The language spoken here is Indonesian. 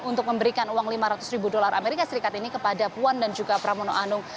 untuk memberikan uang lima ratus ribu dolar amerika serikat ini kepada puan dan juga pramono anung